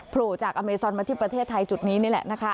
โผล่จากอเมซอนมาที่ประเทศไทยจุดนี้นี่แหละนะคะ